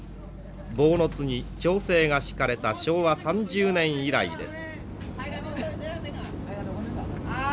坊津に町制がしかれた昭和３０年以来です。